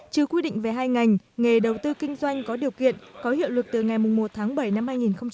chứ quy định về hai ngành nghề đầu tư kinh doanh có điều kiện có hiệu lực từ ngày một tháng bảy năm hai nghìn một mươi bảy